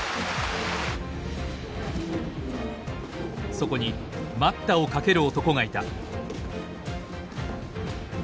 そこに待ったをかける男がいた。